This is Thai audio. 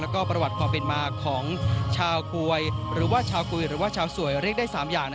แล้วก็ประวัติความเป็นมาของชาวกวยหรือว่าชาวกุยหรือว่าชาวสวยเรียกได้๓อย่าง